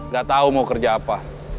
gak tahu mau kerja apa